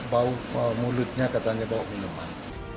bau mulutnya katanya bau minuman